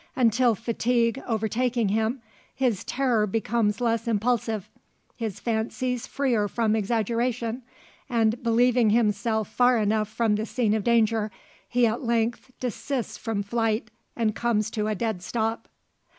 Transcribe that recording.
Until fatigue overtaking him, his terror becomes less impulsive, his fancies freer from exaggeration; and, believing himself far enough from the scene of danger, he at length desists from flight, and comes to a dead stop.